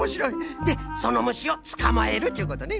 でそのむしをつかまえるっちゅうことね。